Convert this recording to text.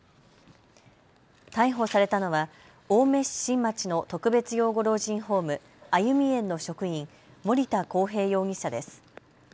逮捕されたのは青梅市新町の特別養護老人ホーム、あゆみえんの職員、森田航平容疑者です。